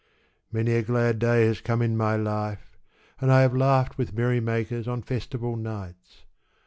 Many a glad day has come in my life, and I have laughed with merrymakers on festival nights.